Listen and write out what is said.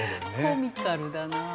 コミカルだなあ。